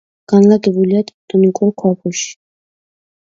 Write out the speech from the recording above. განლაგებულია ტექტონიკურ ქვაბულში.